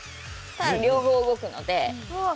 両方動くのでああ